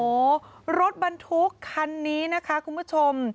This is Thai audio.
โอ้โหรถบรรทุกคันนี้นะคะคุณผู้ชม